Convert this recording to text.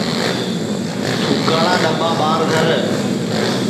تُھوکاڑا ڈؔٻا ٻار دھر